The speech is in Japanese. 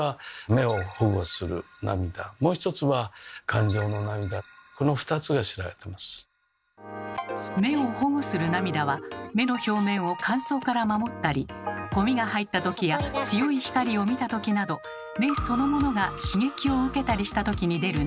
「目を保護する涙」は目の表面を乾燥から守ったりゴミが入ったときや強い光を見たときなど目そのものが刺激を受けたりしたときに出る涙のこと。